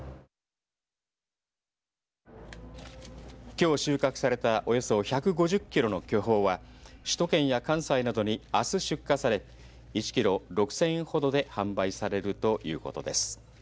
きょう収穫されたおよそ１５０キロの巨峰は首都圏や関西などにあす出荷され１キロ６０００円ほどで販売されるということです。